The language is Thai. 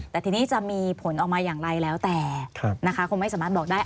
แต่ทีนี้จะมีผลออกมาอย่างไรแล้วแต่นะคะคงไม่สามารถบอกได้